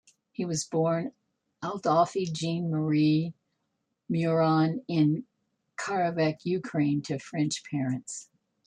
He was born Adolphe Jean-Marie Mouron in Kharkiv, Ukraine, to French parents.